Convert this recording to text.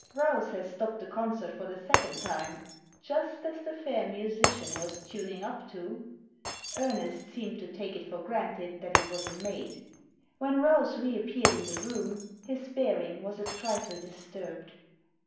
"Rouse has stopped the concert for the second time. Just as the fair musician was tuning up too !Ernest seemed to take it for granted that it was a maid. When Rouse reappeared in the room his bearing was a trifle disturbed.